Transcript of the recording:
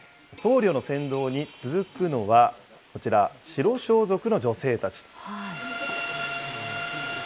僧侶の先導に続くのは、こちら、白装束の女性たち。